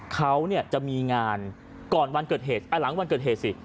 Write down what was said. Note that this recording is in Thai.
เขาเนี่ยจะมีงานก่อนวันเกิดเหตุหลังวันเกิดเหตุสิ